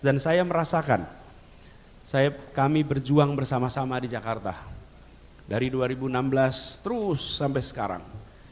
dan saya merasakan kami berjuang bersama sama di jakarta dari dua ribu enam belas terus sampai sekarang